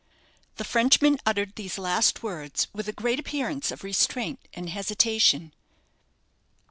The Frenchman uttered these last words with a great appearance of restraint and hesitation.